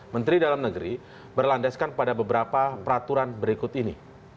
menteri dalam negeri berlandaskan pada beberapa peraturan berikut ini